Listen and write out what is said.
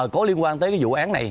có liên quan tới cái vụ án này